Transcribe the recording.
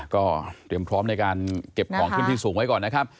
ก็เตรียมพร้อมในการเก็บของขึ้นที่สูงไว้ก่อนนะครับ